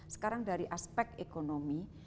sekarang dari aspek ekonomi